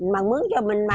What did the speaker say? mặn mướn cho mình mà